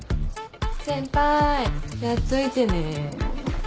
先輩やっといてね。